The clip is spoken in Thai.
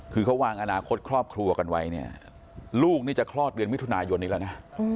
คือเขาวางอนาคตครอบครัวกันไว้เนี่ยลูกนี่จะคลอดเดือนมิถุนายนนี้แล้วนะ